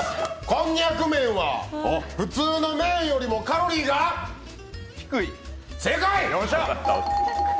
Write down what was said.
こんにゃく麺は普通の麺よりもカロリーが正解！